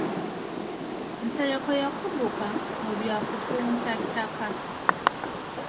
Nsereko yakuguka mu bya kupunta ttaka.